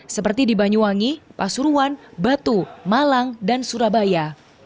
seperti di banyuwangi pasuruan batu malang dan surabaya